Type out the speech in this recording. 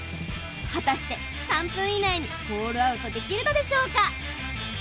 果たして３分以内にホールアウトできるのでしょうか？